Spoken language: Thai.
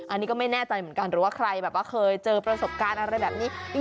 อันนี้ก็ไม่แน่ใจเหมือนกันหรือว่าใครแบบว่าเคยเจอประสบการณ์อะไรแบบนี้